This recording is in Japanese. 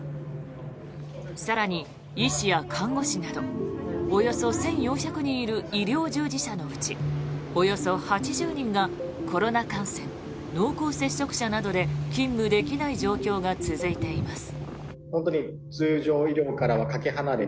更に、医師や看護師などおよそ１４００人いる医療従事者のうちおよそ８０人がコロナ感染、濃厚接触者などで勤務できない状況が続いています。